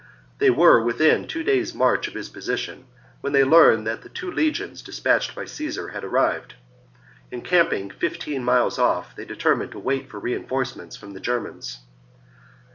They were within two days' march of his position when they learned that the two legions dispatched by Caesar had arrived. Encamping fifteen miles off, they deter mined to wait for reinforcements from the Germans.